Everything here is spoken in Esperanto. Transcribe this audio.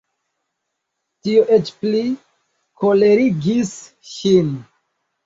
Tio eĉ pli kolerigis ŝin.